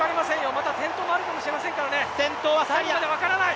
まだ転倒もあるかもしれませんからね、最後まで分からない！